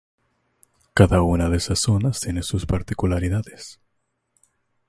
Cada una de esas zonas tiene sus particularidades.